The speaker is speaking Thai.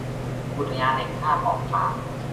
อุทยานแห่งชาติออบขาน